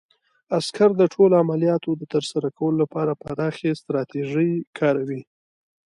عسکر د ټولو عملیاتو د ترسره کولو لپاره پراخې ستراتیژۍ کاروي.